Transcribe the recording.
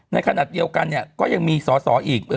ในขณะเดียวกันก็ยังมีสอสออีก